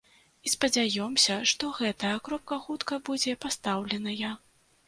І, спадзяёмся, што гэтая кропка хутка будзе пастаўленая.